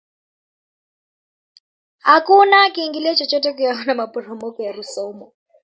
hakuna kiingilio chochote kuyaona maporomoko ya rusumo